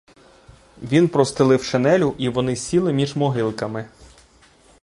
Він простелив шинелю, і вони сіли між могилками.